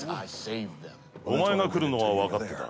お前が来るのは分かってた。